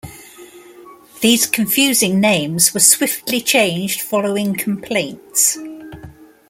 These confusing names were swiftly changed following complaints.